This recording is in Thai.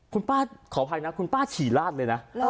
คุณป้าขออภัยนะคุณป้าฉี่ลาดเลยนะ